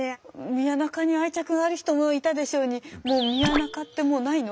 宮仲に愛着がある人もいたでしょうにもう宮仲ってもうないの？